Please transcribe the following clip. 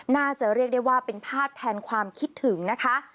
น่าจะเรียกได้ว่าเป็นภาพแทนความคิดถึงนะคะ